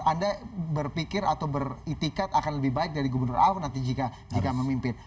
anda berpikir atau beritikat akan lebih baik dari gubernur ahok nanti jika memimpin